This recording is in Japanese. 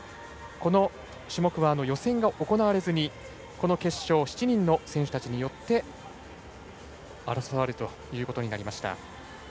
この種目は予選が行われずに決勝７人の選手たちによって争われるということになりました。